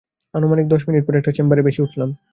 আনুমানিক দশ মিনিট পরে, একটা চেম্বারে ভেসে উঠলাম।